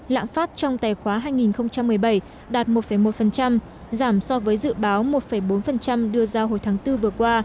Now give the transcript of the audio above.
lạm phát trong tài khoá hai nghìn một mươi bảy đạt một một giảm so với dự báo một bốn đưa ra hồi tháng bốn vừa qua